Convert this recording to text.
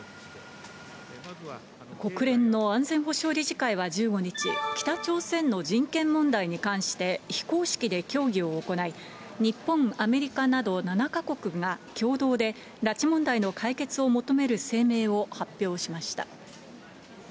国連の安全保障理事会は１５日、北朝鮮の人権問題に関して非公式で協議を行い、日本、アメリカなど７か国が共同で拉致問題の解決を求める声明を発表しました。